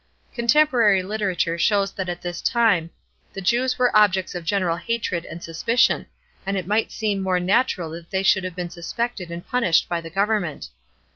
Contemporary literature shows that at this time the Jews were objects of general hatred and suspicion, and it might seem more natural that they should have been suspected and punished by the government.